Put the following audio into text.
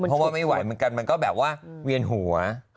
เพราะว่าไม่ไหวเหมือนกันมันก็แบบว่าเวียนหัว